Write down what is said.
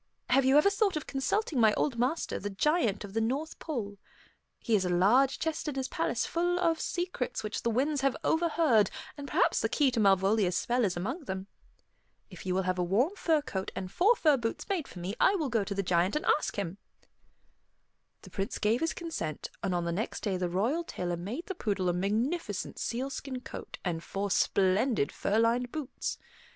Have you ever thought of consulting my old master, the Giant of the North Pole? He has a large chest in his palace full of secrets which the winds have overheard, and perhaps the key to Malvolia's spell is among them. If you will have a warm fur coat and four fur boots made for me, I will go to the Giant and ask him." The Prince gave his consent, and on the next day the royal tailor made the poodle a magnificent sealskin coat and four splendid fur lined boots.